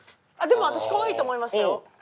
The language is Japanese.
でも私可愛いと思いましたよ。